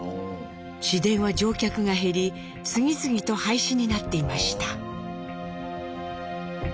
市電は乗客が減り次々と廃止になっていました。